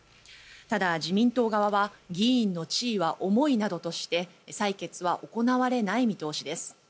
ただ、自民党側は議員の地位は重いなどとして採決は行われない見通しです。